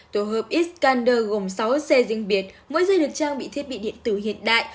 tổ hợp iskander gồm sáu xe riêng biệt mỗi giây được trang bị thiết bị điện tử hiện đại